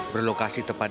berlokasi tepat di jepang